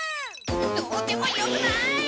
どうでもよくない！